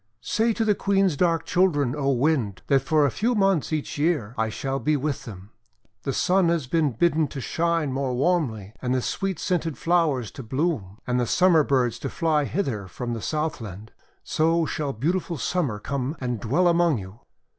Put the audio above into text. :<Say to the Queen's dark children, O Wind, that for a few months each year, I shall be with them. The Sun has been bidden to shine more warmly, and the sweet scented flowers to bloom, and the Summer birds to fly hither from the Southland. So shall beautiful Summer come and dwell among you."